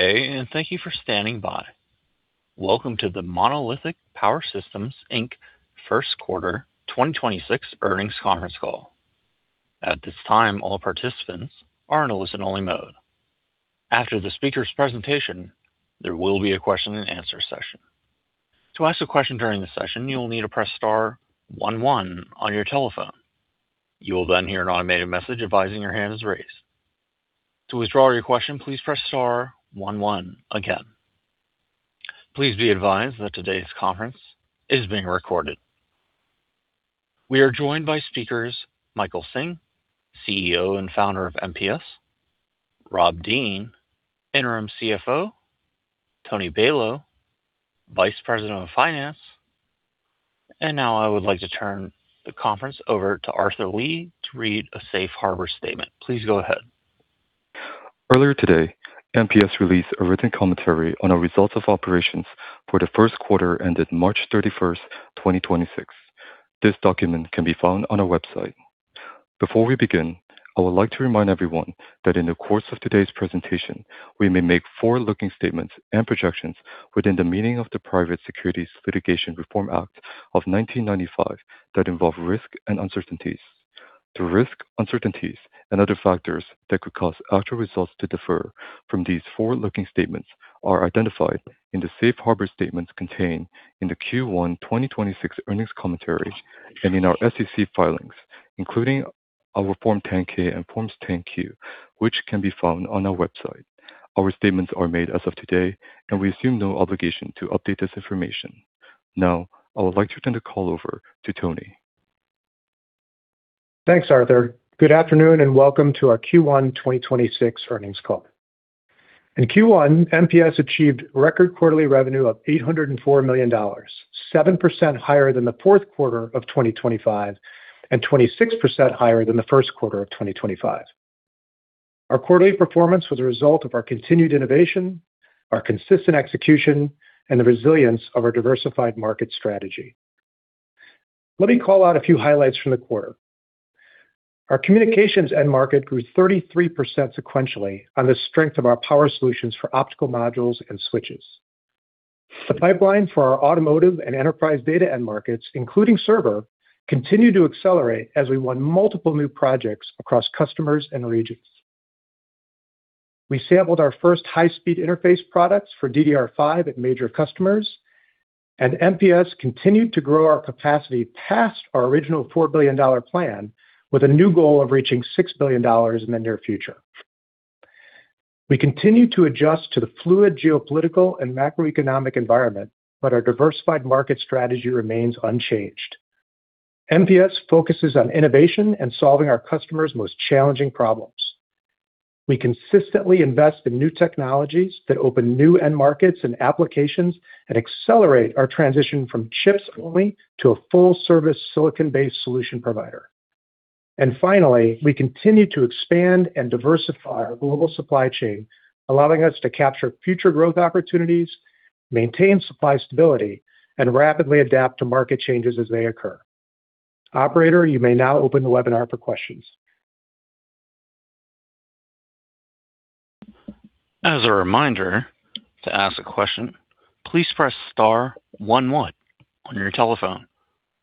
Good day, and thank you for standing by. Welcome to the Monolithic Power Systems, Inc. first quarter 2026 earnings conference call. At this time, all participants are in a listen-only mode. After the speaker's presentation, there will be a question-and-answer session. To ask a question during the session, you will need to press star one one on your telephone. You will then hear an automated message advising your hand is raised. To withdraw your question, please press star one one again. Please be advised that today's conference is being recorded. We are joined by speakers Michael Hsing, CEO and Founder of MPS; Robert Dean, Interim CFO; Tony Balow, Vice President of Finance. Now I would like to turn the conference over to Arthur Lee to read a safe harbor statement. Please go ahead. Earlier today, MPS released a written commentary on our results of operations for the first quarter ended March 31, 2026. This document can be found on our website. Before we begin, I would like to remind everyone that in the course of today's presentation, we may make forward-looking statements and projections within the meaning of the Private Securities Litigation Reform Act of 1995 that involve risk and uncertainties. The risk, uncertainties, and other factors that could cause actual results to differ from these forward-looking statements are identified in the safe harbor statements contained in the Q1 2026 earnings commentaries and in our SEC filings, including our Form 10-K and Forms 10-Q, which can be found on our website. Our statements are made as of today, and we assume no obligation to update this information. I would like to turn the call over to Tony. Thanks, Arthur. Good afternoon, and welcome to our Q1 2026 earnings call. In Q1, MPS achieved record quarterly revenue of $804 million, 7% higher than the fourth quarter of 2025 and 26% higher than the first quarter of 2025. Our quarterly performance was a result of our continued innovation, our consistent execution, and the resilience of our diversified market strategy. Let me call out a few highlights from the quarter. Our communications end market grew 33% sequentially on the strength of our power solutions for optical modules and switches. The pipeline for our automotive and enterprise data end markets, including server, continue to accelerate as we won multiple new projects across customers and regions. We sampled our first high-speed interface products for DDR5 at major customers. MPS continued to grow our capacity past our original $4 billion plan with a new goal of reaching $6 billion in the near future. We continue to adjust to the fluid geopolitical and macroeconomic environment. Our diversified market strategy remains unchanged. MPS focuses on innovation and solving our customers' most challenging problems. We consistently invest in new technologies that open new end markets and applications and accelerate our transition from chips only to a full-service silicon-based solution provider. Finally, we continue to expand and diversify our global supply chain, allowing us to capture future growth opportunities, maintain supply stability, and rapidly adapt to market changes as they occur. Operator, you may now open the webinar for questions. As a reminder, to ask a question, please press star 11 on your telephone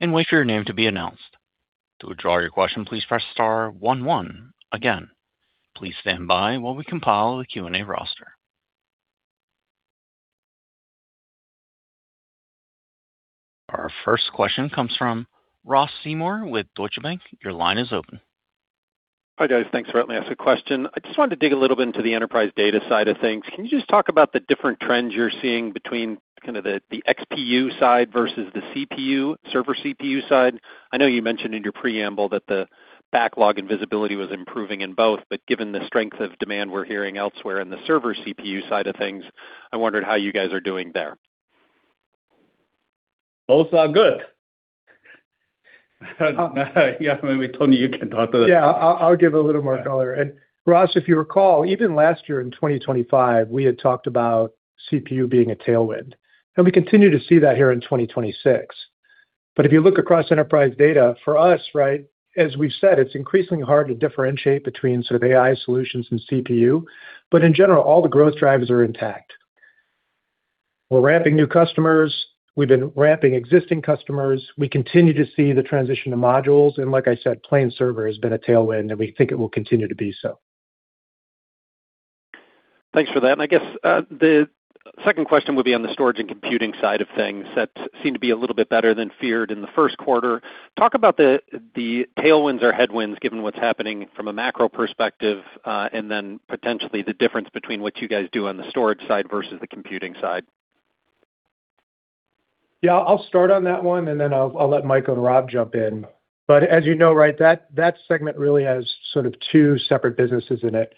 and wait for your name to be announced. To withdraw your question, please press star one one again. Please stand by while we compile the Q&A roster. Our first question comes from Ross Seymore with Deutsche Bank. Your line is open. Hi, guys. Thanks for letting me ask a question. I just wanted to dig a little bit into the enterprise data side of things. Can you just talk about the different trends you're seeing between kind of the XPU side versus the CPU, server CPU side? I know you mentioned in your preamble that the backlog and visibility was improving in both, Given the strength of demand we're hearing elsewhere in the server CPU side of things, I wondered how you guys are doing there. Both are good. Yeah, maybe, Tony, you can talk to that. I'll give a little more color. Ross, if you recall, even last year in 2025, we had talked about CPU being a tailwind, and we continue to see that here in 2026. If you look across enterprise data for us, right, as we've said, it's increasingly hard to differentiate between sort of AI solutions and CPU, but in general, all the growth drivers are intact. We're ramping new customers, we've been ramping existing customers. We continue to see the transition to modules, and like I said, plain server has been a tailwind, and we think it will continue to be so. Thanks for that. I guess the second question would be on the storage and computing side of things that seem to be a little bit better than feared in the first quarter. Talk about the tailwinds or headwinds given what's happening from a macro perspective, and then potentially the difference between what you guys do on the storage side versus the computing side? Yeah, I'll start on that one, and then I'll let Michael and Rob jump in. As you know, right, that segment really has sort of 2 separate businesses in it.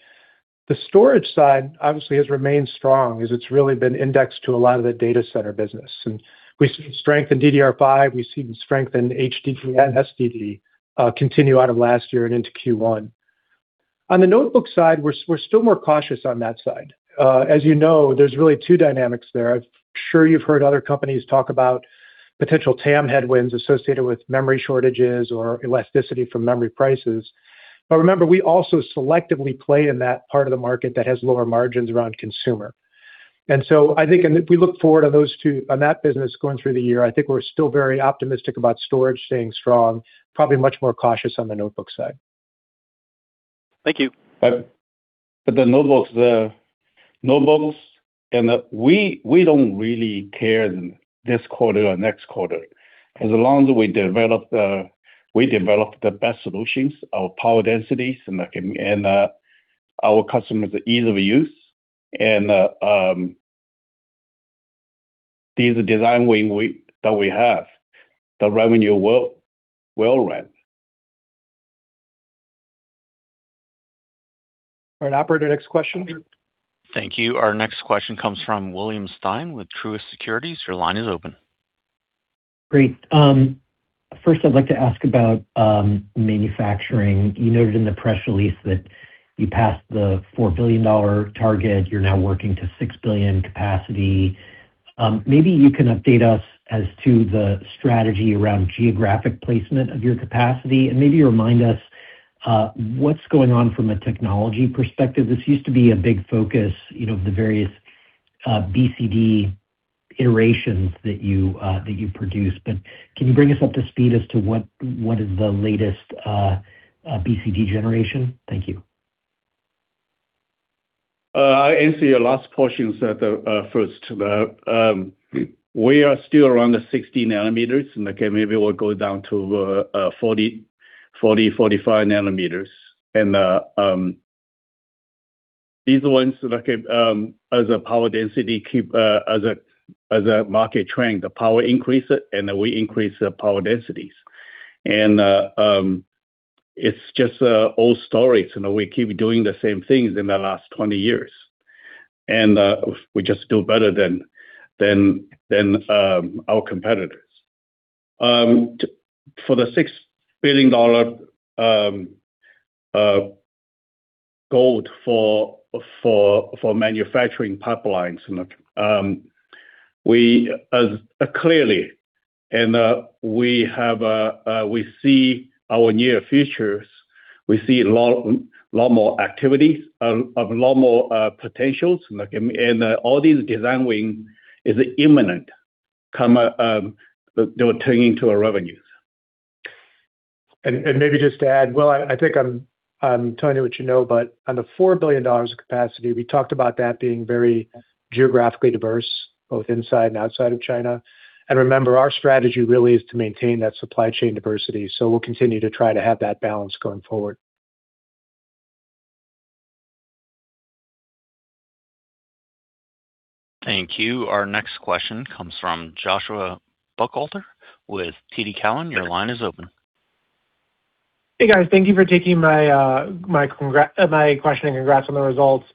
The storage side obviously has remained strong as it's really been indexed to a lot of the enterprise data center business, and we've seen strength in DDR5, we've seen strength in HDD, SSD, continue out of last year and into Q1. On the notebook side, we're still more cautious on that side. As you know, there's really 2 dynamics there. I'm sure you've heard other companies talk about potential TAM headwinds associated with memory shortages or elasticity from memory prices. Remember, we also selectively play in that part of the market that has lower margins around consumer. I think, and if we look forward on that business going through the year, I think we're still very optimistic about storage staying strong, probably much more cautious on the notebook side. Thank you. The notebooks, we don't really care this quarter or next quarter. As long as we develop the best solutions, our power densities and our customers ease of use and these design win that we have, the revenue will run. All right, operator, next question. Thank you. Our next question comes from William Stein with Truist Securities. Your line is open. Great. First I'd like to ask about manufacturing. You noted in the press release that you passed the $4 billion target. You are now working to $6 billion capacity. Maybe you can update us as to the strategy around geographic placement of your capacity, and maybe remind us what's going on from a technology perspective. This used to be a big focus, you know, of the various BCD iterations that you that you produce. Can you bring us up to speed as to what is the latest BCD generation? Thank you. I answer your last portions that first. We are still around the 60 nanometers, and okay, maybe we'll go down to 40-45 nanometers. These ones like, as a power density keep as a market trend, the power increase it, and we increase the power densities. It's just old stories. You know, we keep doing the same things in the last 20 years. We just do better than our competitors. For the $6 billion goal for manufacturing pipelines, we clearly and we have, we see our near futures. We see a lot more activities, of a lot more potentials. All these design win is imminent come, they'll turn into our revenues. Maybe just to add, Will, I think I'm telling you what you know, on the $4 billion of capacity, we talked about that being very geographically diverse, both inside and outside of China. Remember, our strategy really is to maintain that supply chain diversity. We'll continue to try to have that balance going forward. Thank you. Our next question comes from Joshua Buchalter with TD Cowen. Your line is open. Hey, guys. Thank you for taking my question, and congrats on the results.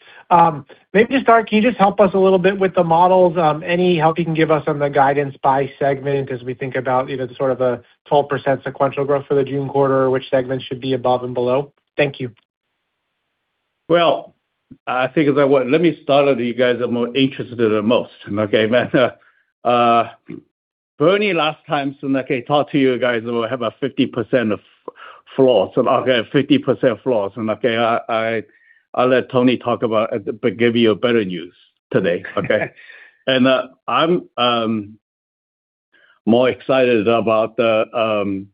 Maybe to start, can you just help us a little bit with the models? Any help you can give us on the guidance by segment as we think about even sort of a 12% sequential growth for the June quarter, which segment should be above and below? Thank you. Well, I think that let me start with you guys are more interested the most, okay? Bernie last time, okay, talk to you guys about have a 50% of flaws. I'll have 50% flaws. Okay, I, I'll let Tony talk about, but give you a better news today, okay? I'm more excited about the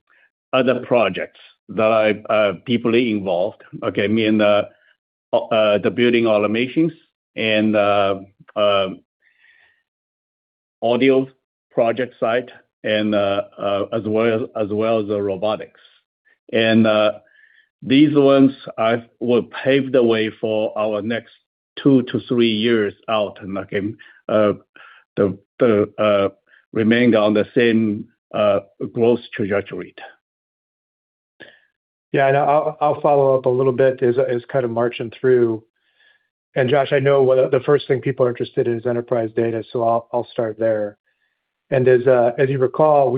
other projects that I people involved, okay? Me and the building automations and audio project site and as well, as well as the robotics. These ones will pave the way for our next 2-3 years out, and again, the the remain on the same growth trajectory. Yeah. I'll follow up a little bit as kind of marching through. Josh, I know one of the first thing people are interested in is enterprise data, I'll start there. As you recall,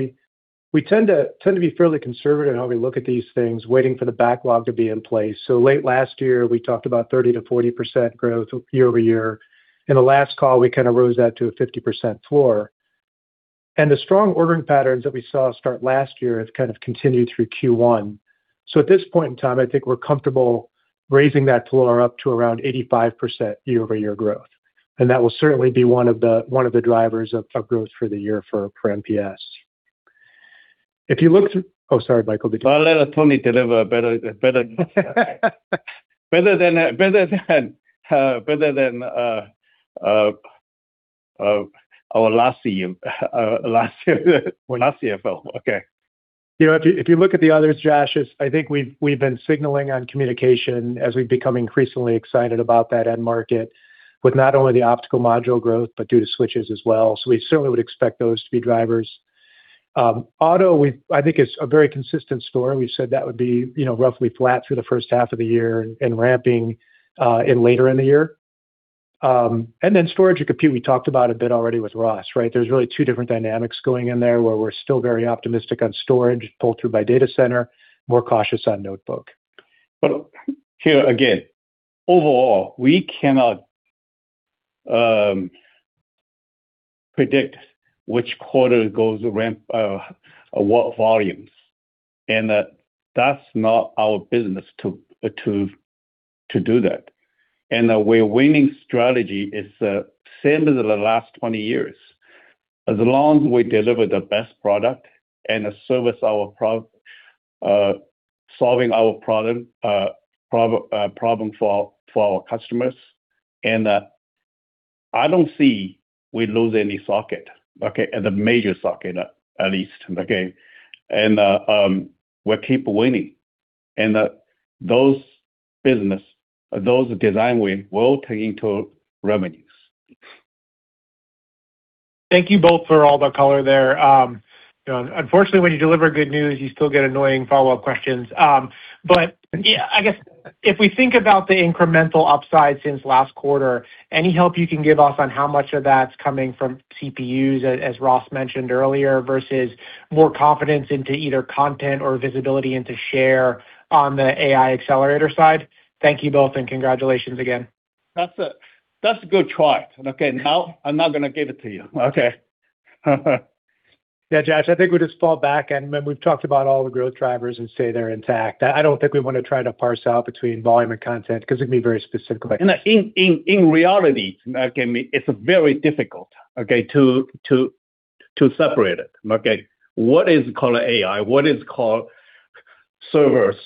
we tend to be fairly conservative in how we look at these things, waiting for the backlog to be in place. Late last year, we talked about 30%-40% growth year-over-year. In the last call, we kinda rose that to a 50% floor. The strong ordering patterns that we saw start last year have kind of continued through Q1. At this point in time, I think we're comfortable raising that floor up to around 85% year-over-year growth. That will certainly be one of the drivers of growth for the year for MPS. Oh, sorry, Mike. I'll let Tony deliver better than our last CM, last. Last CFO. Okay. You know, if you look at the others, Josh, is I think we've been signaling on communication as we become increasingly excited about that end market with not only the optical module growth, but due to switches as well. We certainly would expect those to be drivers. Auto, I think is a very consistent story. We said that would be, you know, roughly flat through the first half of the year and ramping in later in the year. Storage and compute, we talked about a bit already with Ross, right? There's really two different dynamics going in there, where we're still very optimistic on storage pull through by data center, more cautious on notebook. Here again, overall, we cannot Predict which quarter goes ramp, what volumes. That's not our business to do that. Our winning strategy is same as the last 20 years. As long as we deliver the best product and service our solving our problem for our customers. I don't see we lose any socket, okay? The major socket at least, okay? We keep winning. Those business, those design wins will turn into revenues. Thank you both for all the color there. You know, unfortunately, when you deliver good news, you still get annoying follow-up questions. Yeah, I guess if we think about the incremental upside since last quarter, any help you can give us on how much of that's coming from CPUs, as Ross mentioned earlier, versus more confidence into either content or visibility into share on the AI accelerator side? Thank you both and congratulations again. That's a good try. Okay, now I'm not gonna give it to you. Okay. Yeah, Josh, I think we just fall back, and maybe we've talked about all the growth drivers and say they're intact. I don't think we wanna try to parse out between volume and content, 'cause it'd be very specific. In reality, it's very difficult to separate it. What is called AI? What is called servers?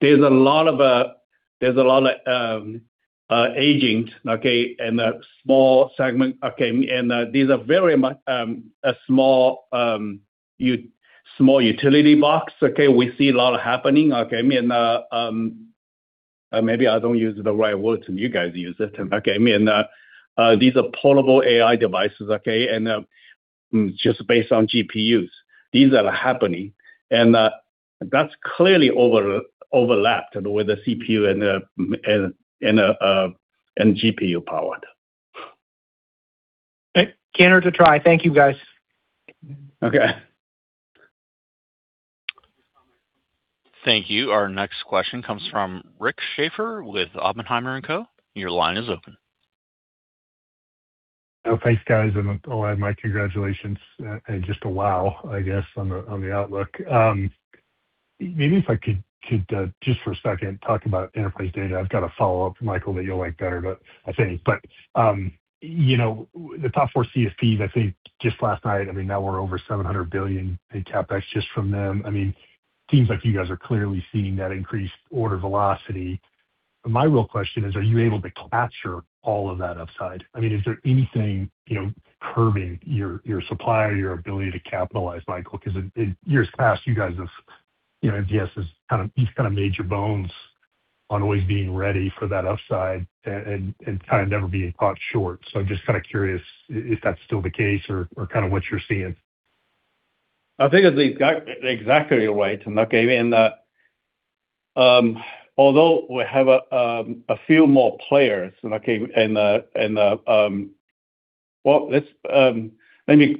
There's a lot of agents, a small segment. These are very a small utility box. We see a lot happening. I mean, maybe I don't use the right words, you guys use it. I mean, these are portable AI devices, just based on GPUs. These are happening. That's clearly overlapped with the CPU and the GPU powered. Okay. Kind of to try. Thank you, guys. Okay. Thank you. Our next question comes from Rick Schafer with Oppenheimer & Co. Your line is open. Thanks, guys, I'll add my congratulations. Just a wow, I guess, on the outlook. Maybe if I could just for a second talk about enterprise data. I've got a follow-up, Michael, that you'll like better. You know, the top 4 CSPs, I think just last night, I mean, now we're over $700 billion in CapEx just from them. I mean, seems like you guys are clearly seeing that increased order velocity. My real question is, are you able to capture all of that upside? I mean, is there anything, you know, curbing your supply, your ability to capitalize, Michael? 'Cause in years past, you guys have, you know, MPS has kind of, you've kinda made your bones on always being ready for that upside and kinda never being caught short. I'm just kinda curious is that still the case or kinda what you're seeing? I think that's exactly right. Although we have a few more players. Let me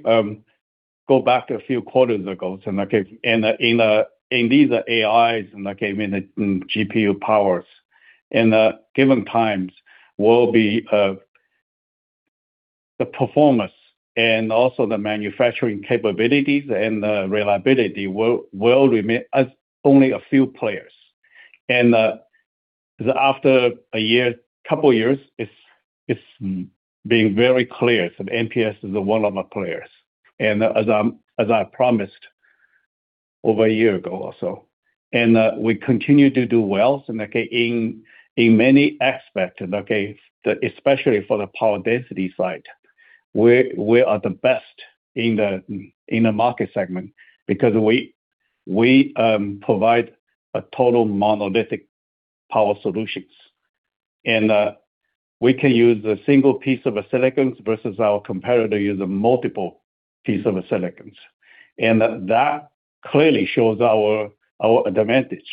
go back a few quarters ago, like in these AIs and, like, GPU powers. In the given times will be the performance and also the manufacturing capabilities and the reliability will remain as only a few players. After a year, couple of years, it's being very clear. MPS is one of my players. As I promised over a year ago or so. We continue to do well, like in many aspects, especially for the power density side. We are the best in the market segment because we provide a total monolithic power solutions. We can use a single piece of silicon versus our competitor use a multiple piece of silicon. That clearly shows our advantage.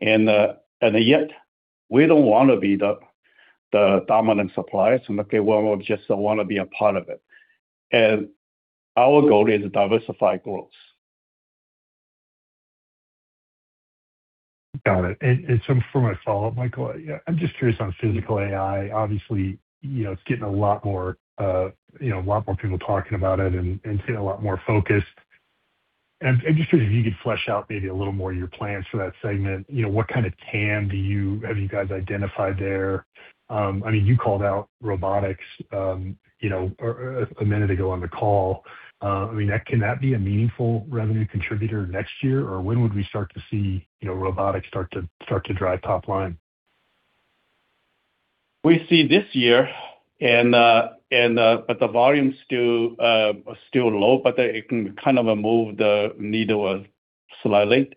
Yet we don't wanna be the dominant suppliers, we more just wanna be a part of it. Our goal is diversified growth. Got it. For my follow-up, Michael, yeah, I'm just curious on physical AI. Obviously, you know, it's getting a lot more, you know, a lot more people talking about it and seeing a lot more focus. I'm just curious if you could flesh out maybe a little more your plans for that segment. You know, what kind of TAM have you guys identified there? I mean, you called out robotics, you know, a minute ago on the call. I mean, can that be a meaningful revenue contributor next year? When would we start to see, you know, robotics start to drive top line? We see this year, the volume is still low, but it can kind of move the needle slightly.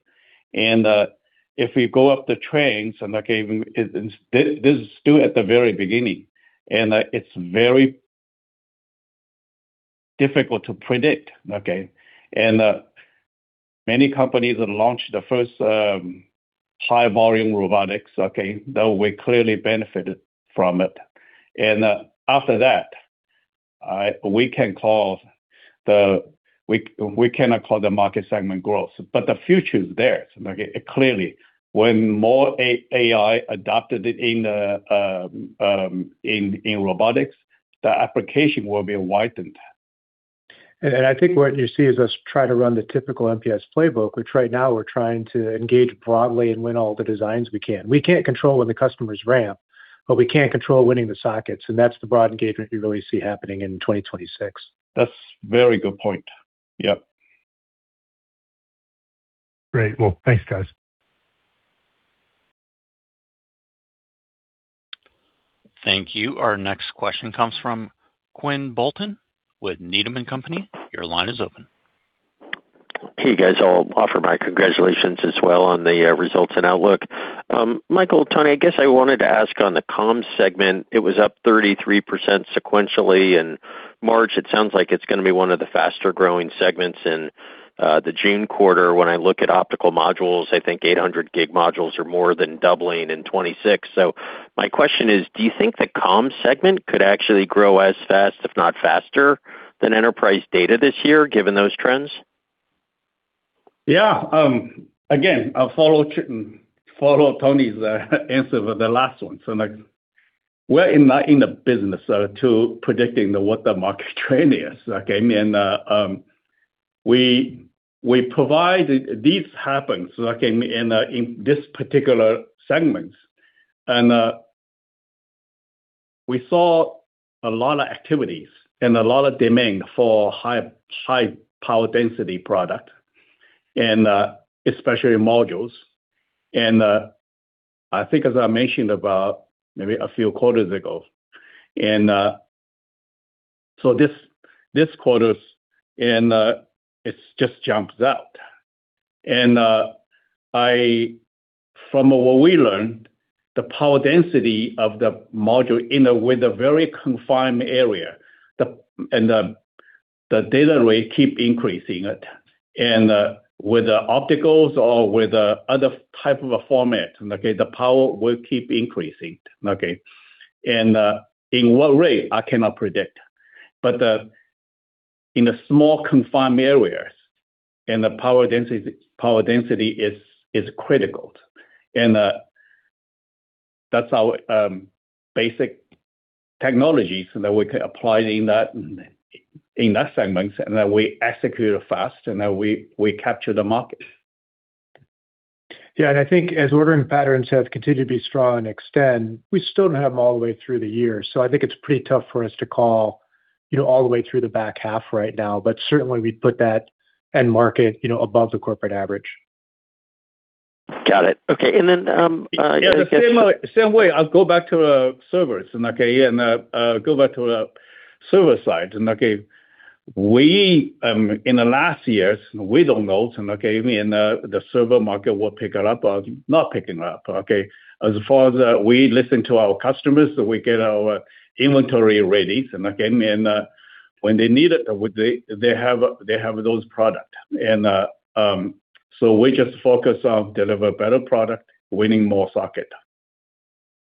If we go up the trends, this is still at the very beginning, it's very difficult to predict. Many companies have launched the first high volume robotics. Though we clearly benefited from it. After that, we cannot call the market segment growth, the future is there. Like, clearly when more AI adopted it in robotics, the application will be widened. I think what you see is us try to run the typical MPS playbook, which right now we're trying to engage broadly and win all the designs we can. We can't control when the customers ramp, but we can control winning the sockets, and that's the broad engagement you really see happening in 2026. That's very good point. Yep. Great. Well, thanks guys. Thank you. Our next question comes from Quinn Bolton with Needham & Company. Your line is open. Hey, guys. I'll offer my congratulations as well on the results and outlook. Michael, Tony, I guess I wanted to ask on the comms segment, it was up 33% sequentially in March. It sounds like it's gonna be one of the faster-growing segments in the June quarter. When I look at optical modules, I think 800 gig modules are more than doubling in 2026. My question is, do you think the comms segment could actually grow as fast, if not faster, than enterprise data this year, given those trends? Yeah. Again, I'll follow Tony's answer for the last one. Like, we're in a business to predicting what the market trend is. Okay. We these happens, okay, in this particular segments. We saw a lot of activities and a lot of demand for high power density product and especially modules. I think as I mentioned about maybe a few quarters ago, this quarters it's just jumps out. From what we learned, the power density of the module in a, with a very confined area, and the data rate keep increasing. With the opticals or with the other type of a format, okay, the power will keep increasing, okay? In what rate, I cannot predict, but in a small confined areas and the power density is critical. That's our basic technologies that we can apply in that segments, and then we execute it fast, and then we capture the market. Yeah, I think as ordering patterns have continued to be strong and extend, we still don't have them all the way through the year. I think it's pretty tough for us to call, you know, all the way through the back half right now. Certainly, we'd put that end market, you know, above the corporate average. Got it. Okay. Yeah, the same way, same way. I'll go back to servers, okay, and go back to the server side, okay. We, in the last years, we don't know, okay, I mean, the server market will pick it up or not picking up, okay. As far as we listen to our customers, we get our inventory ready, okay, and when they need it, they have those product. We just focus on deliver better product, winning more socket.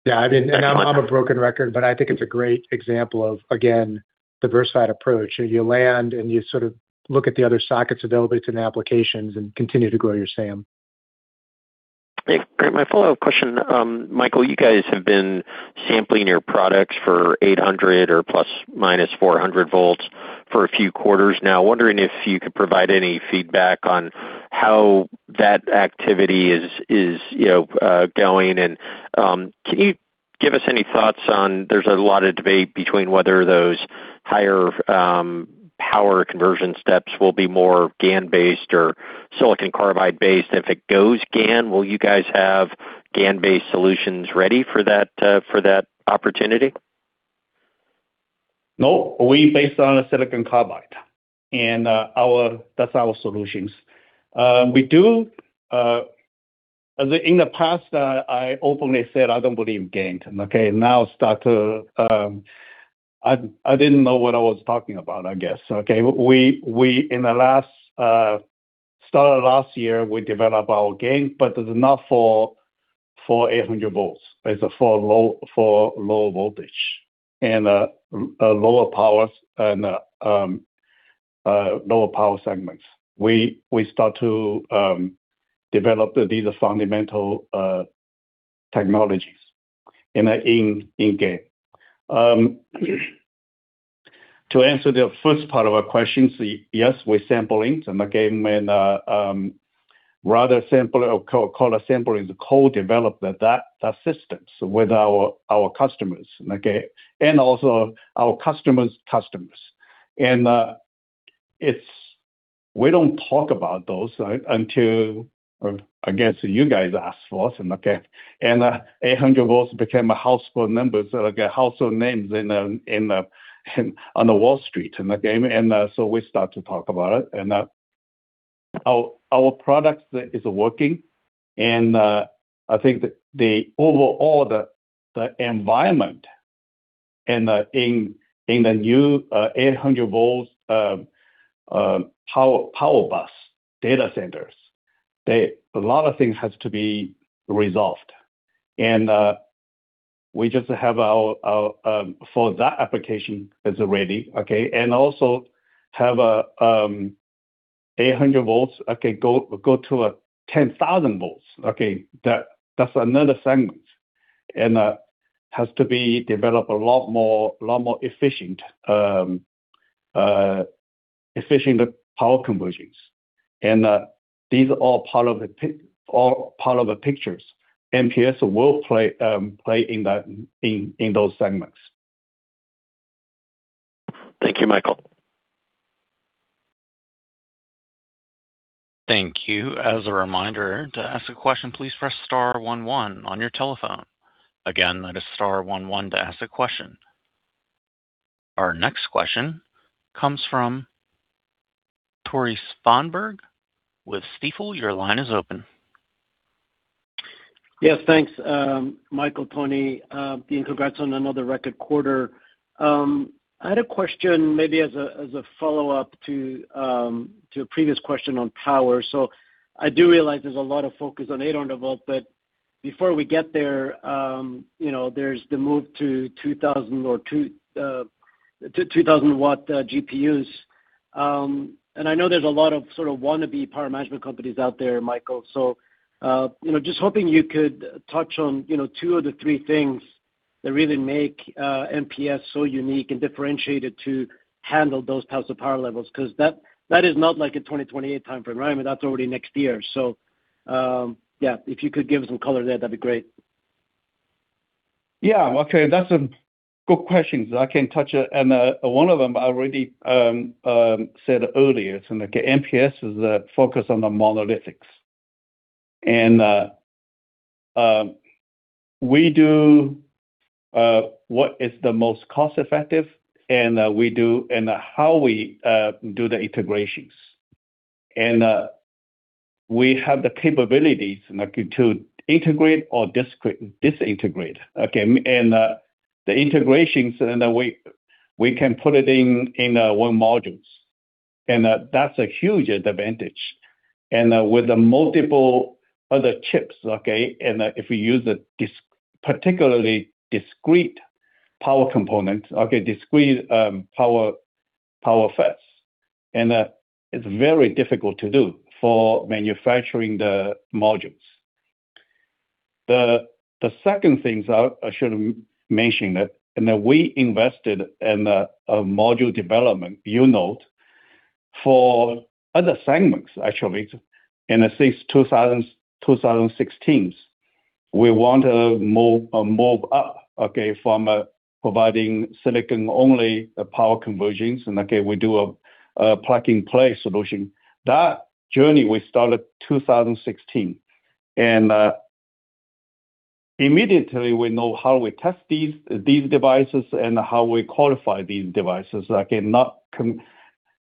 Yeah. I mean, and I'm a broken record, but I think it's a great example of, again, diversified approach. You land, and you sort of look at the other sockets available to the applications and continue to grow your SAM. Great. My follow-up question, Michael, you guys have been sampling your products for 800 or ±400 volts for a few quarters now. Wondering if you could provide any feedback on how that activity is, you know, going. Can you give us any thoughts on there's a lot of debate between whether those higher power conversion steps will be more GaN-based or silicon carbide-based. If it goes GaN, will you guys have GaN-based solutions ready for that for that opportunity? No. We based on silicon carbide and that's our solutions. We do in the past, I openly said I don't believe GaN, okay. Now start to, I didn't know what I was talking about, I guess. Okay. We in the last, start of last year, we developed our GaN, but it's not for 800 volts. It's for low voltage and lower powers and lower power segments. We start to develop these fundamental technologies in GaN. To answer the first part of our question, yes, we're sampling, okay, and rather sample or co-develop that systems with our customers, okay. And also our customers' customers. We don't talk about those, right, until, I guess, you guys ask for it, okay. 800 volts became a household numbers, like a household names in the on Wall Street, okay. We start to talk about it. Our products is working and I think the overall the environment and in the new 800 volts power bus data centers, a lot of things has to be resolved. We just have our for that application is ready, okay? Also have a 800 volts, okay, go to a 10,000 volts, okay? That's another segment, has to be developed a lot more, lot more efficient power conversions. These are all part of the pictures. MPS will play in that, in those segments. Thank you, Michael. Thank you. As a reminder, to ask a question, please press star one one on your telephone. Again, that is star one one to ask a question. Our next question comes from Tore Svanberg with Stifel. Your line is open. Yes, thanks, Michael, Tony. Congrats on another record quarter. I had a question maybe as a, as a follow-up to a previous question on power. I do realize there's a lot of focus on 800 volt, but before we get there, you know, there's the move to 2,000 or 2, to 2,000 watt GPUs. I know there's a lot of sort of wannabe power management companies out there, Michael. You know, just hoping you could touch on, you know, 2 of the 3 things that really make MPS so unique and differentiated to handle those types of power levels. Cause that is not like a 2028 timeframe, right? I mean, that's already next year. Yeah, if you could give some color there, that'd be great. Yeah. Okay. That's a good question. I can touch it. One of them I already said earlier. Like, MPS is focused on the monolithics. We do what is the most cost-effective, and we do, and how we do the integrations. We have the capabilities, like, to integrate or disintegrate, okay? The integrations in a way we can put it in one modules, and that's a huge advantage. With the multiple other chips, okay, and if we use a particularly discrete power component, okay, discrete power FETs, it's very difficult to do for manufacturing the modules. The second things I should mention that, and that we invested in a module development unit for other segments, actually. Since 2000, 2016, we want to move up from providing silicon-only power conversions, we do a plug-and-play solution. That journey we started 2016. Immediately we know how we test these devices and how we qualify these devices. If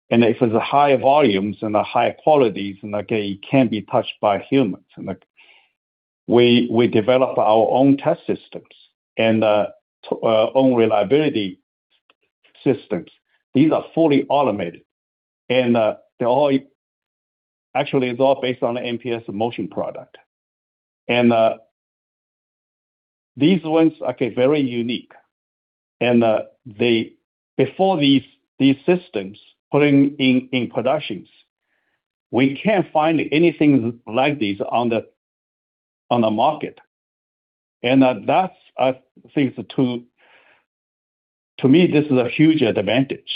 it's high volumes and high qualities, it can't be touched by humans. Like, we develop our own test systems and own reliability systems. These are fully automated. Actually, it's all based on MPS motion product. These ones are very unique. Before these systems put in productions, we can't find anything like this on the market. That's, I think to me, this is a huge advantage.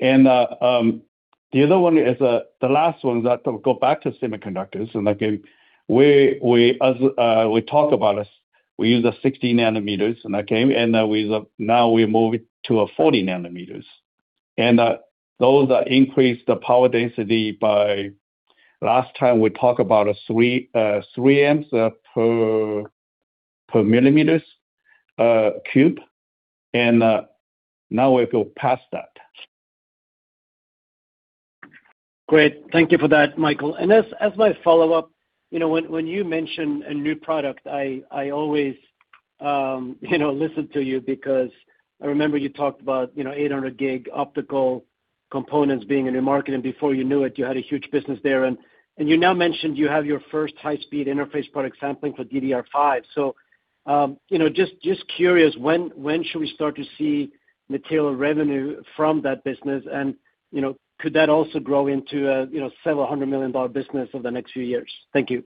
The other one is the last one that will go back to semiconductors, and again, we, as we talk about this, we use the 60 nanometers, and okay, now we move it to 40 nanometers. Those increase the power density by, last time we talked about 3 amps per millimeters cube. Now we've gone past that. Great. Thank you for that, Michael. As my follow-up, you know, when you mention a new product, I always, you know, listen to you because I remember you talked about, you know, 800 gig optical components being in your market, and before you knew it, you had a huge business there. You now mentioned you have your first high-speed interface product sampling for DDR5. Just curious, when should we start to see material revenue from that business? Could that also grow into a, you know, several hundred million dollar business over the next few years? Thank you.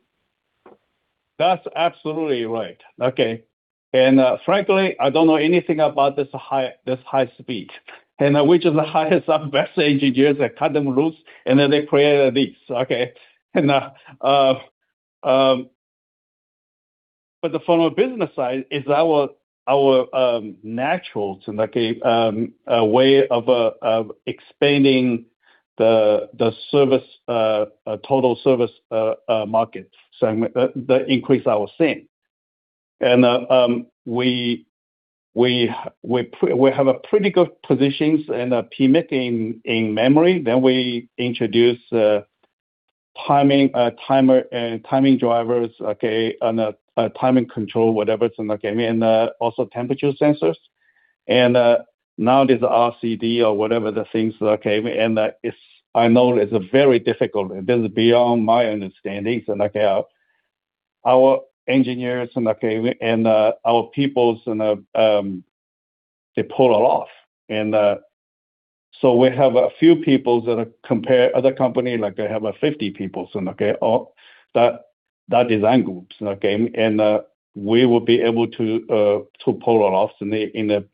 That's absolutely right. Okay. Frankly, I don't know anything about this high speed. Which is the highest of best engineers, they cut them loose, and they create this, okay. From a business side, it's our natural to like a way of expanding the service total service market segment that increase our SAM. We have a pretty good positions in PMIC in memory. We introduce timing timer timing drivers, okay. And timing control, whatever it's like. I mean, also temperature sensors. Now there's RCD or whatever the things that came in. I know it's very difficult. It is beyond my understanding. Like, our engineers and our people, they pull it off. We have a few people that are compare other company, like they have 50 people or that design groups. We will be able to pull it off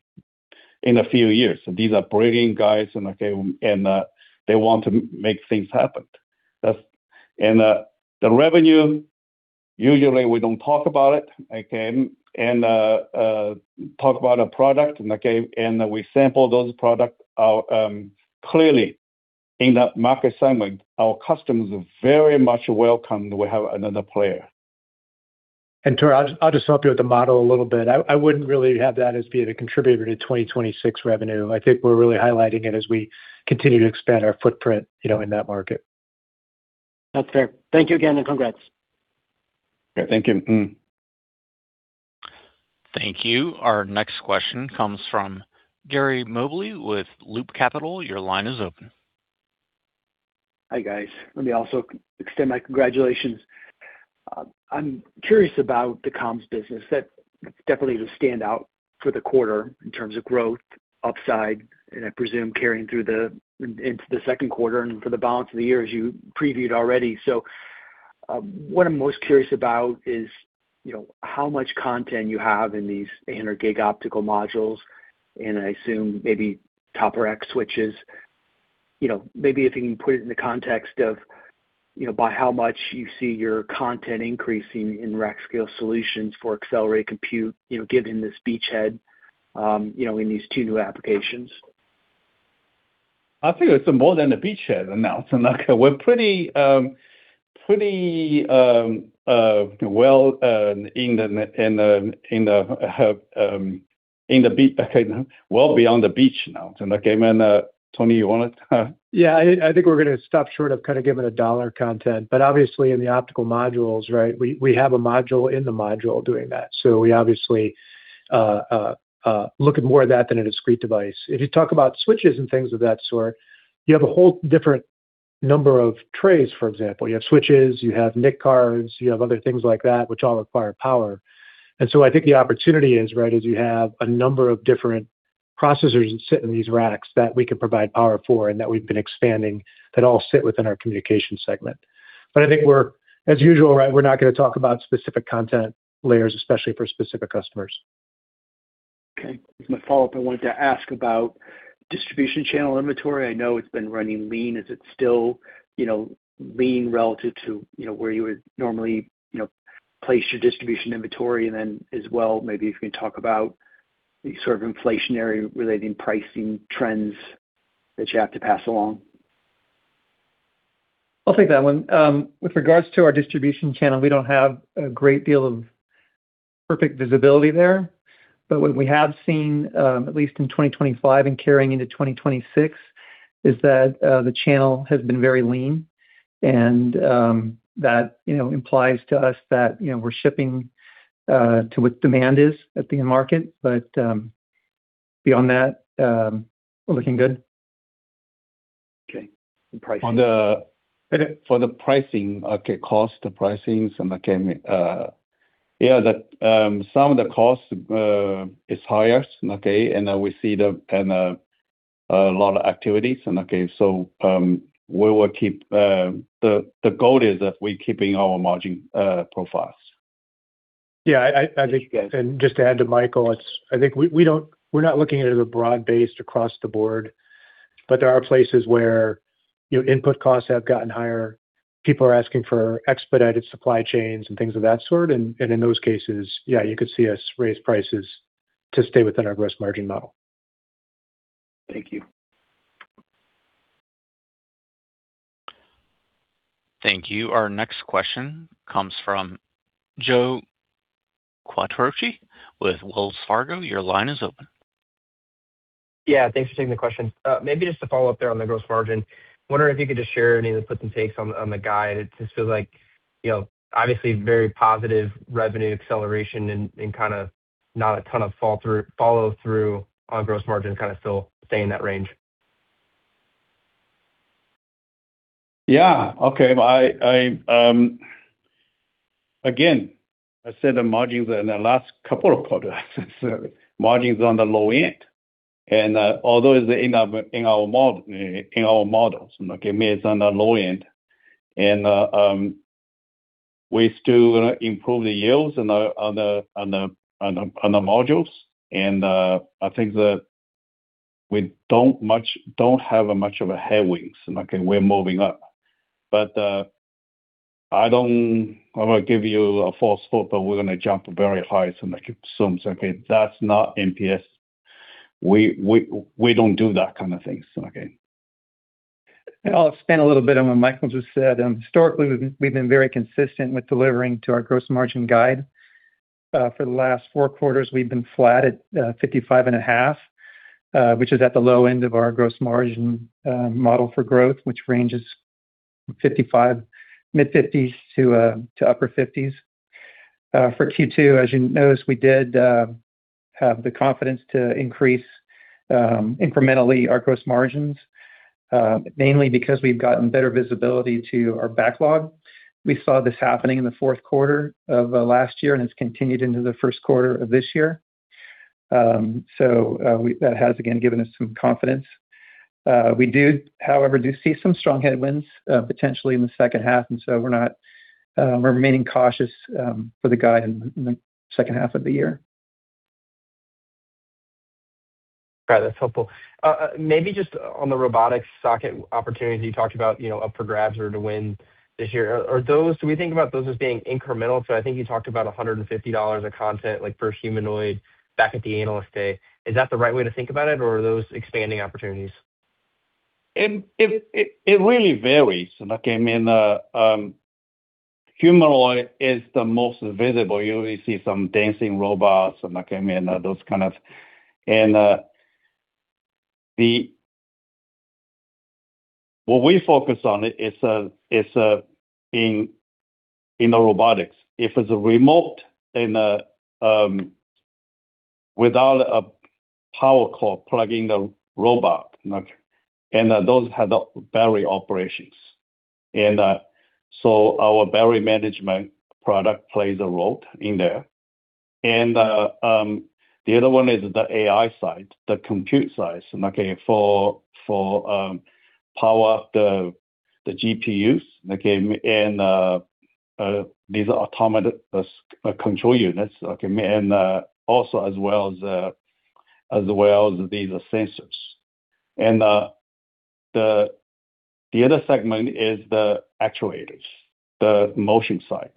in a few years. These are brilliant guys, they want to make things happen. The revenue, usually we don't talk about it, talk about a product, we sample those products. Our, clearly in that market segment, our customers are very much welcome. We have another player. Tor, I'll just help you with the model a little bit. I wouldn't really have that as being a contributor to 2026 revenue. I think we're really highlighting it as we continue to expand our footprint, you know, in that market. That's fair. Thank you again, and congrats. Thank you. Mm-hmm. Thank you. Our next question comes from Gary Mobley with Loop Capital. Your line is open. Hi, guys. Let me also extend my congratulations. I'm curious about the comms business. That definitely is a standout for the quarter in terms of growth upside, and I presume carrying through into the second quarter and for the balance of the year as you previewed already. What I'm most curious about is, you know, how much content you have in these 800 gig optical modules, and I assume maybe top rack switches. You know, maybe if you can put it in the context of, you know, by how much you see your content increasing in rack scale solutions for accelerated compute, you know, given this beachhead, you know, in these two new applications. I think it's more than a beachhead now. So like we're pretty well beyond the beach now. Okay, and, Tony, you want it? Yeah. I think we're gonna stop short of kind of giving a dollar content. Obviously in the optical modules, right, we have a module in the module doing that. We obviously look at more of that than a discrete device. If you talk about switches and things of that sort, you have a whole different number of trays, for example. You have switches, you have NIC cards, you have other things like that, which all require power. I think the opportunity is, right, is you have a number of different processors that sit in these racks that we can provide power for and that we've been expanding that all sit within our Communication segment. I think we're, as usual, right, we're not gonna talk about specific content layers, especially for specific customers. Okay. As my follow-up, I wanted to ask about distribution channel inventory. I know it's been running lean. Is it still, you know, lean relative to, you know, where you would normally, you know, place your distribution inventory? Then as well, maybe if you can talk about the sort of inflationary-related pricing trends that you have to pass along? I'll take that one. With regards to our distribution channel, we don't have a great deal of perfect visibility there. What we have seen, at least in 2025 and carrying into 2026, is that the channel has been very lean and that, you know, implies to us that, you know, we're shipping to what demand is at the market. Beyond that, we're looking good. Okay. Pricing? On the- Go ahead. For the pricing, cost pricings and, yeah, the, some of the costs, is higher, and, we see the, a lot of activities, and. We will keep, the goal is that we keeping our margin, profiles. Yeah. I think, just to add to Michael, we're not looking at it as a broad-based across the board, but there are places where, you know, input costs have gotten higher. People are asking for expedited supply chains and things of that sort. In those cases, yeah, you could see us raise prices to stay within our gross margin model. Thank you. Thank you. Our next question comes from Joe Quattrocchi with Wells Fargo. Your line is open. Yeah. Thanks for taking the question. Maybe just to follow up there on the gross margin. Wondering if you could just share any of the puts and takes on the guide? It just feels like, you know, obviously very positive revenue acceleration and kinda not a ton of follow-through on gross margin, kind of still stay in that range. Yeah. Okay. I again, I said the margins in the last couple of quarters since margins are on the low end. Although it's in our, in our models, okay, it's on the low end. We still improve the yields on the modules. I think that we don't have much of a headwind, okay. We're moving up. I don't wanna give you a false hope that we're gonna jump very high so like it seems okay. That's not MPS. We don't do that kind of things, okay. I'll expand a little bit on what Michael just said. Historically, we've been very consistent with delivering to our gross margin guide. For the last 4 quarters, we've been flat at 55.5%, which is at the low end of our gross margin model for growth, which ranges 55%, mid-50s%-upper 50s%. For Q2, as you noticed, we did have the confidence to increase incrementally our gross margins, mainly because we've gotten better visibility to our backlog. We saw this happening in the fourth quarter of last year, and it's continued into the first quarter of this year. That has again given us some confidence. We do, however, do see some strong headwinds, potentially in the second half, and so we're not, we're remaining cautious, for the guide in the second half of the year. Got it. That's helpful. Maybe just on the robotics socket opportunities you talked about, you know, up for grabs or to win this year. Do we think about those as being incremental? I think you talked about $150 of content, like for humanoid back at the Analyst Day. Is that the right way to think about it, or are those expanding opportunities? It really varies. I mean, humanoid is the most visible. You only see some dancing robots, and those kind of. What we focus on is in the robotics. If it's remote and without a power cord plugging the robot. Those have the battery operations. Our battery management product plays a role in there. The other one is the AI side, the compute side, for power the GPUs, and these autonomous control units, and also as well as these sensors. The other segment is the actuators, the motion side.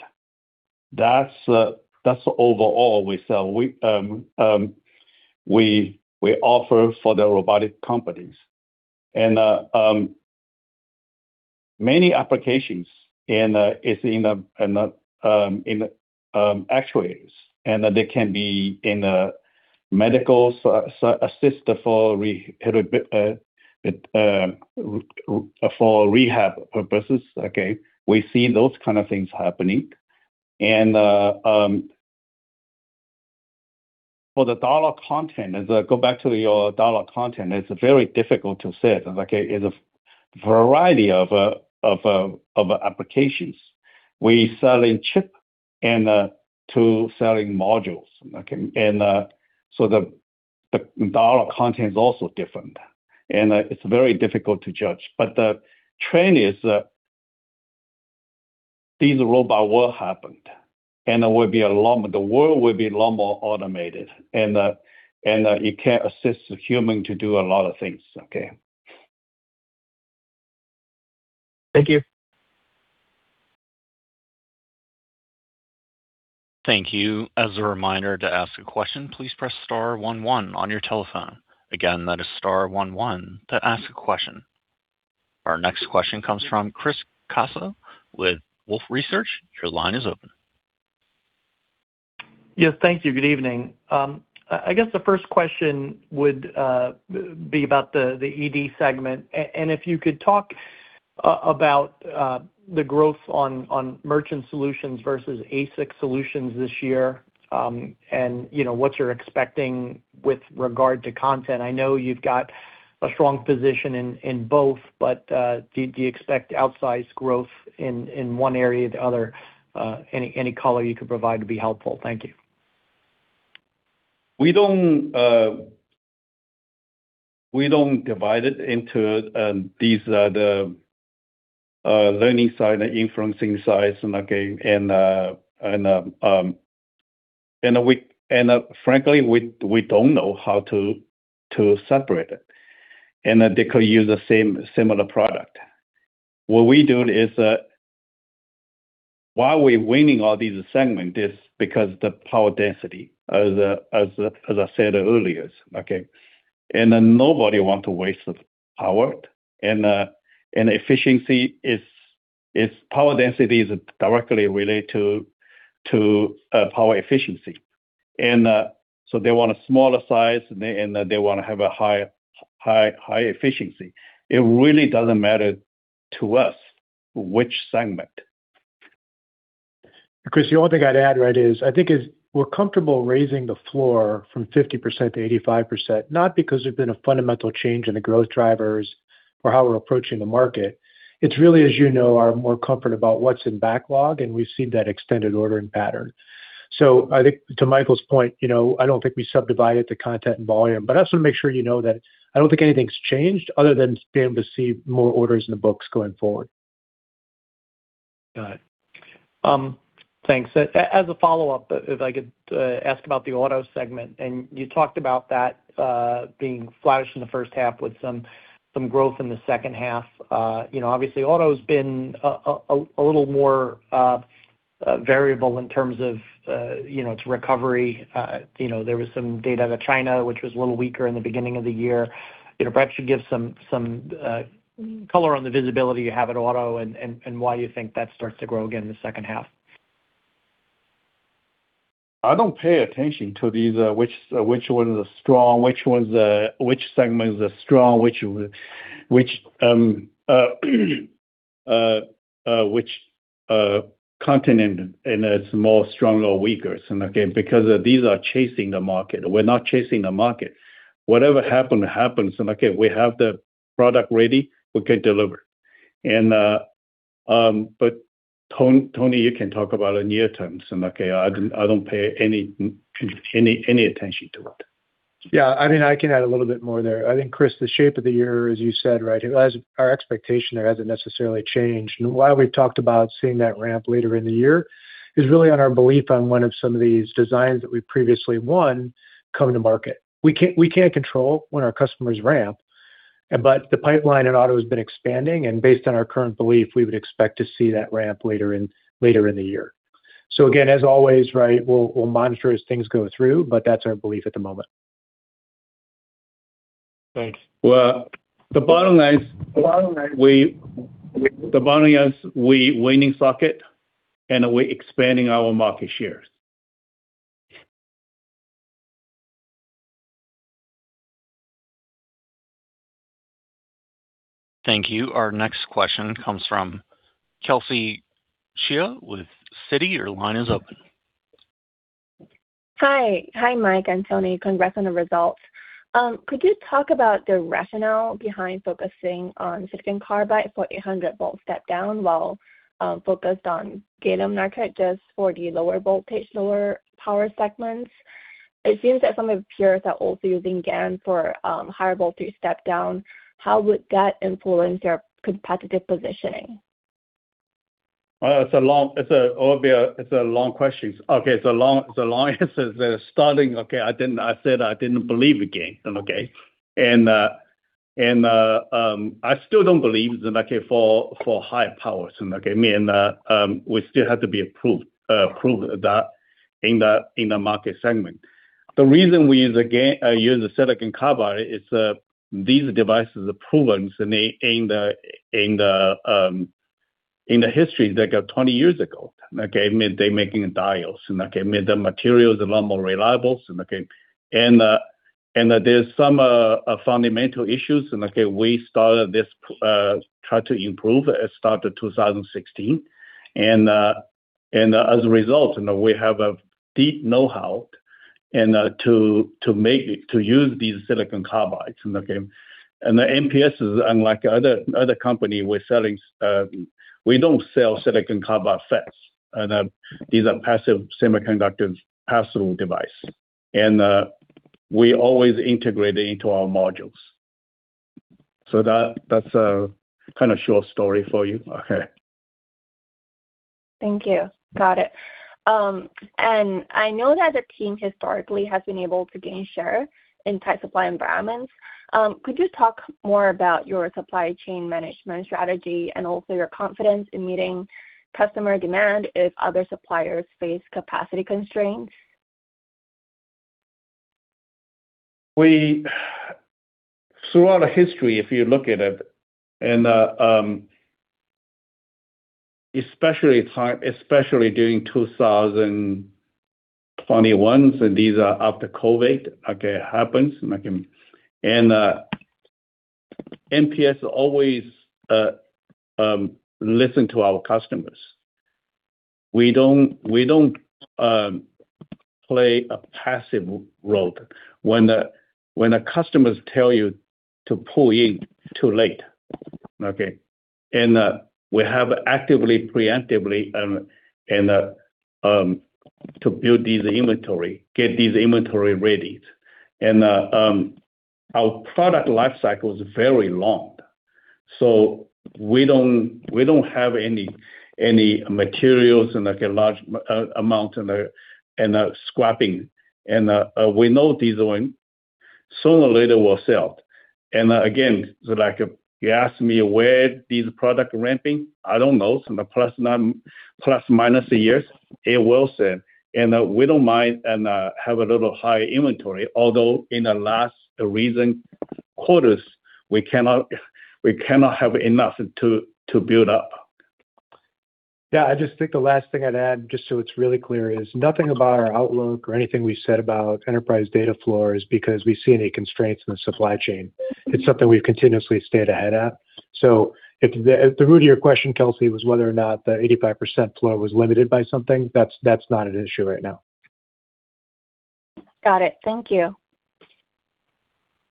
That's overall we sell. We offer for the robotic companies. Many applications, it's in the, in the, in the actuators, and they can be in a medical assist. Uh, uh, r- For rehab purposes, okay. We've seen those kind of things happening. For the dollar content, as I go back to your dollar content, it's very difficult to say, okay. It's a variety of applications. We sell in chip and to selling modules, okay. So the dollar content is also different, and it's very difficult to judge. The trend is, these robot will happen, and the world will be a lot more automated, and it can assist the human to do a lot of things, okay. Thank you. Thank you. As a reminder, to ask a question, please press star one one on your telephone. Again, that is star one one to ask a question. Our next question comes from Chris Caso with Wolfe Research. Your line is open. Yes, thank you. Good evening. I guess the first question would be about the ED segment. And if you could talk about the growth on merchant solutions versus ASIC solutions this year, and, you know, what you're expecting with regard to content. I know you've got a strong position in both, but do you expect outsized growth in one area or the other? Any color you could provide would be helpful. Thank you. We don't, we don't divide it into these are the learning side and influencing sides, okay. Frankly, we don't know how to separate it, and they could use the same, similar product. What we do is that while we're winning all these segments is because the power density, as I said earlier, okay? Nobody want to waste the power. Efficiency is power density is directly related to power efficiency. They want a smaller size, and they wanna have a high efficiency. It really doesn't matter to us which segment. Chris, the only thing I'd add, right, is I think is we're comfortable raising the floor from 50% to 85%, not because there's been a fundamental change in the growth drivers or how we're approaching the market. It's really, as you know, our more comfort about what's in backlog, and we've seen that extended ordering pattern. I think to Michael's point, you know, I don't think we subdivided the content and volume. I just wanna make sure you know that I don't think anything's changed other than being able to see more orders in the books going forward. Got it. Thanks. As a follow-up, if I could ask about the auto segment, and you talked about that being flattish in the first half with some growth in the second half. You know, obviously auto's been a little more variable in terms of, you know, its recovery. You know, there was some data out of China, which was a little weaker in the beginning of the year. You know, perhaps you give some color on the visibility you have at auto and why you think that starts to grow again in the second half? I don't pay attention to these, which one is strong, which one's, which segment is strong, which continent is more strong or weaker. Again, because these are chasing the market. We're not chasing the market. Whatever happen, happens, and okay, we have the product ready, we can deliver. Tony, you can talk about in near term, okay, I don't pay any attention to it. Yeah, I mean, I can add a little bit more there. I think, Chris, the shape of the year, as you said, right, our expectation there hasn't necessarily changed. Why we've talked about seeing that ramp later in the year is really on our belief on one of some of these designs that we previously won come to market. We can't control when our customers ramp, the pipeline in auto has been expanding, based on our current belief, we would expect to see that ramp later in the year. Again, as always, right, we'll monitor as things go through, that's our belief at the moment. Thanks. Well, the bottom line is we winning socket and we're expanding our market shares. Thank you. Our next question comes from Kelsey Chia with Citi. Your line is open. Hi. Hi, Mike and Tony. Congrats on the results. Could you talk about the rationale behind focusing on silicon carbide for 800 volts step-down while focused on gallium nitride just for the lower voltage, lower power segments? It seems that some of your peers are also using GaN for higher voltage step-down. How would that influence your competitive positioning? Well, it's a long, Olivia, it's a long question. It's a long answer. Starting, I said I didn't believe in GaN? I still don't believe that, okay, for high power. Okay, I mean, we still have to be approved that in the market segment. The reason we use the silicon carbide is these devices are proven in the history, like 20 years ago, okay? I mean, they're making diodes, okay, I mean, the material is a lot more reliable, okay. There's some fundamental issues, we started this try to improve, it started 2016. As a result, you know, we have a deep know-how to make, to use these silicon carbide, okay? The MPS is unlike other company, we're selling, we don't sell silicon carbide FETs. These are passive semiconductive device. We always integrate it into our modules. That's a kind of short story for you. Okay. Thank you. Got it. I know that the team historically has been able to gain share in tight supply environments. Could you talk more about your supply chain management strategy and also your confidence in meeting customer demand if other suppliers face capacity constraints? Throughout the history, if you look at it, especially time, especially during 2021, and these are after COVID. MPS always listen to our customers. We don't play a passive role. When the customers tell you to pull in too late. We have actively, preemptively, to build these inventory, get these inventory ready. Our product life cycle is very long. We don't have any materials and like a large amount and scrapping. We know these one sooner or later will sell. Again, like, you ask me where these product ramping, I don't know. Plus minus a years, it will sell. We don't mind and have a little high inventory, although in the last recent quarters, we cannot have enough to build up. Yeah, I just think the last thing I'd add, just so it's really clear, is nothing about our outlook or anything we said about enterprise data flow is because we see any constraints in the supply chain. It's something we've continuously stayed ahead at. If the root of your question, Kelsey, was whether or not the 85% flow was limited by something, that's not an issue right now. Got it. Thank you.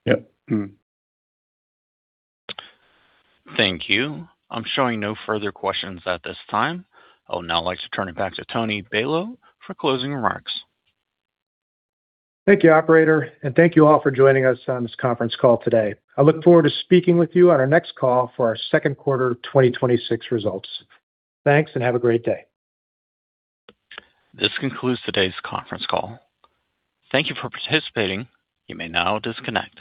Yep. Mm-hmm. Thank you. I'm showing no further questions at this time. I would now like to turn it back to Tony Balow for closing remarks. Thank you, operator, thank you all for joining us on this conference call today. I look forward to speaking with you on our next call for our second quarter of 2026 results. Thanks, and have a great day. This concludes today's conference call. Thank you for participating. You may now disconnect.